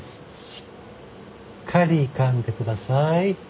しっかり噛んでください。